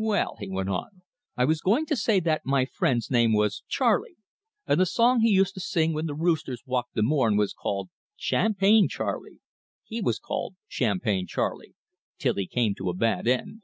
"Well," he went on, "I was going to say that my friend's name was Charley, and the song he used to sing when the roosters waked the morn was called 'Champagne Charlie.' He was called 'Champagne Charlie' till he came to a bad end."